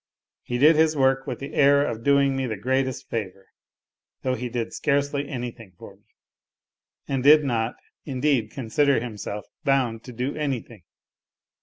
He did his work with the air of doing me the greatest favour. Though he did scarcely anything for me, and did not, indeed, consider himself bound to do anything.